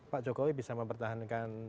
pak jokowi bisa mempertahankan